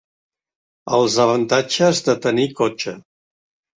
Els avantatges de tenir cotxe.